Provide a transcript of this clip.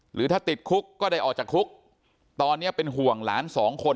หรือถ้าติดคุกก็ได้ออกจากคุกตอนนี้เป็นห่วงหลานสองคน